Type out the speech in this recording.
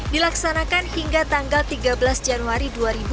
dilaksanakan hingga tanggal tiga belas januari dua ribu dua puluh